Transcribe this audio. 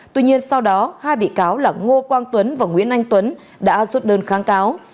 tuy nhiên sau đó hai bị cáo là ngô quang tuấn và nguyễn anh tuấn đã rút đơn kháng cáo